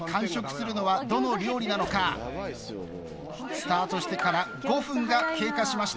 スタートしてから５分が経過しました。